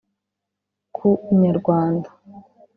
ku inyarwanda